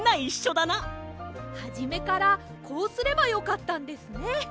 はじめからこうすればよかったんですね。